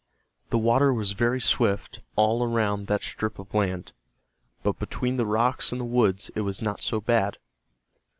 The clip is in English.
The water was very swift all around that strip of land, but between the rocks and the woods it was not so bad.